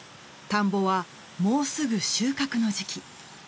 田んぼはもうすぐ収穫の時期。